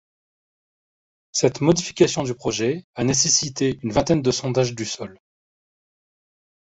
Cette modification du projet a nécessité une vingtaine de sondages du sol.